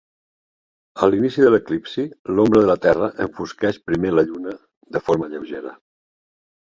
A l'inici de l'eclipsi, l'ombra de la terra enfosqueix primer la Lluna de forma lleugera.